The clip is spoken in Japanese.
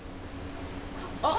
あっ。